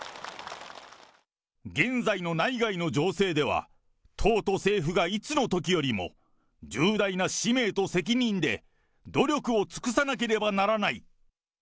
現在の内外の情勢では、党と政府がいつのときよりも重大な使命と責任で努力を尽くさなければならない。